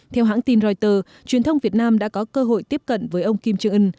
theo hãng tin reuters truyền thông việt nam đã có cơ hội tiếp cận với ông kim trương ưn